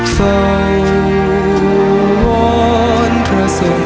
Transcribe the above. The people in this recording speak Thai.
เฟ้อดนมันด้านรักให้ใจมุ่งมัน